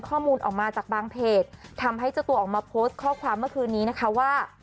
ก็กลพิวส์ข้อความเมื่อคืนนี้นะคะว่า